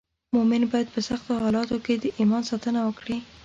مومن باید په سختو حالاتو کې د ایمان ساتنه وکړي.